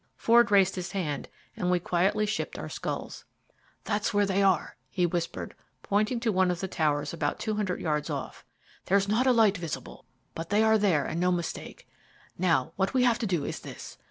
Ford raised his hand, and we quietly shipped our sculls. "That's where they are," he whispered, pointing to one of the towers about two hundred yards off. "There is not a light visible, but they are there and no mistake. Now, what we have to do is this.